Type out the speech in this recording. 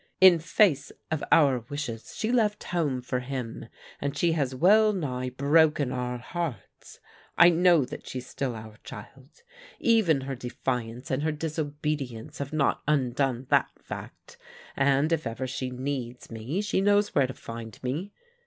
In face of our wishes she left home for him, and she has well nigh broken our hearts. I know that she's still our child. Even her defiance and her disobedience have not undone that fact, and if ever she needs me she knows where to find me.